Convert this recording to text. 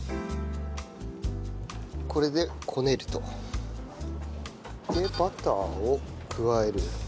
これでこねると。でバターを加える。